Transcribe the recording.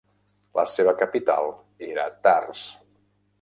La seva capital era Tars.